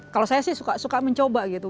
kalau saya sih suka mencoba gitu